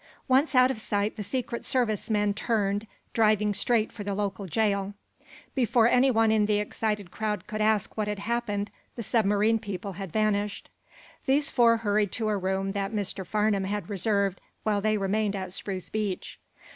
Once out of sight the Secret Service men turned, driving straight for the local jail. Before anyone in the excited crowd could ask what had happened the submarine people had vanished. These four hurried to a room that Mr. Farnum had reserved while they remained at Spruce Beach.